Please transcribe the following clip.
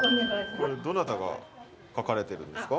これどなたが書かれてるんですか？